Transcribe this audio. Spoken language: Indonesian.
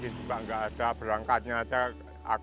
kalau semuanya sedang membutuhkan